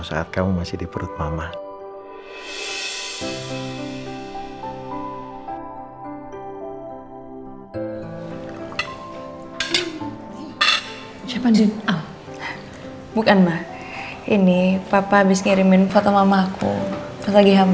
saat kamu masih di perut mama siapa bukan mah ini papa habis ngirimin foto mamaku